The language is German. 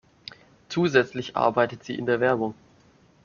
Zusätzlich arbeitete sie in der Werbung.